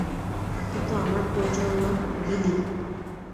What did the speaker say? কিন্তু আমার প্রচারণা, বিলি।